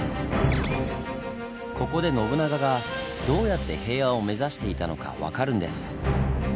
ここで信長がどうやって平和を目指していたのか分かるんです。